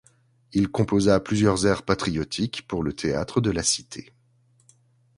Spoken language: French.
Il composa plusieurs airs patriotiques pour le théâtre de la Cité.